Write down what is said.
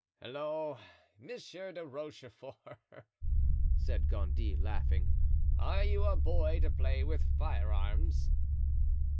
"Halloo! Monsieur de Rochefort," said Gondy, laughing, "are you a boy to play with firearms?"